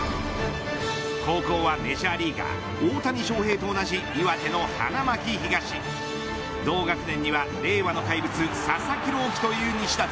高校はメジャーリーガー大谷翔平と同じ岩手の花巻東同学年には、令和の怪物佐々木朗希という西舘。